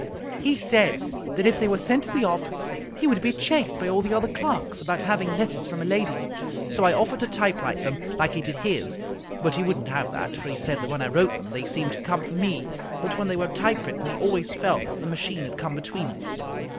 He said that if they were sent to the office he would be chaffed by all the other clerks about having letters from a lady, so I offered to typewrite them, like he did his, but he wouldn't have that, for he said that when I wrote them they seemed to come from me, but when they were typewritten he always felt that the ma chine had come between us.